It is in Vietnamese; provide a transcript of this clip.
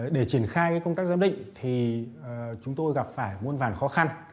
để triển khai công tác giám định thì chúng tôi gặp phải muôn vàn khó khăn